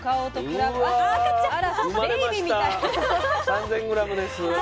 ３，０００ｇです。